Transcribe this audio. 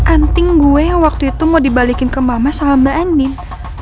anting gue waktu itu mau dibalikin ke mama sama mbak enim